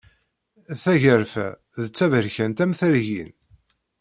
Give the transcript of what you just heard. Tagarfa d taberkant am tergin.